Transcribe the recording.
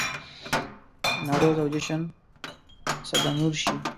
نوروز او جشن سده نور شي.